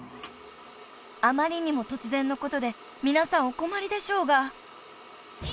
［あまりにも突然のことで皆さんお困りでしょうが］